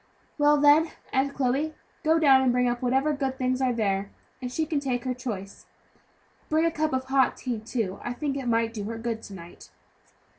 "Well, then, Aunt Chloe, go down and bring up whatever good things are there, and she can take her choice. Bring a cup of hot tea, too, I think it may do her good to night."